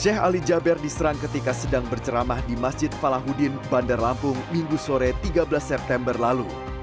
sheikh ali jaber diserang ketika sedang berceramah di masjid falahuddin bandar lampung minggu sore tiga belas september lalu